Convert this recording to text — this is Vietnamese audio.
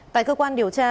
tại cơ quan điều tra